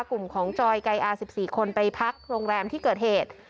กลุ่มของจอยไกรอา๑๔คนไปพักโรงแรมที่เกิดเหตุ